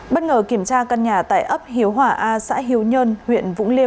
bất ngờ kiểm tra căn nhà tại ấp hiếu hòa a xã hiếu nhơn huyện vũng liêm